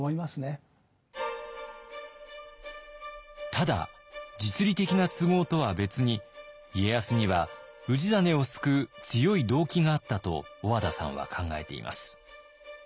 ただ実利的な都合とは別に家康には氏真を救う強い動機があったと小和田さんは考えています。